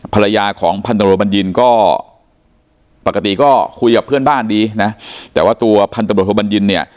ภรรยาของพันธบรบัญญินก็ปกติก็คุยกับเพื่อนบ้านดีนะแต่ว่าตัวพันตำรวจโทบัญญินเนี่ย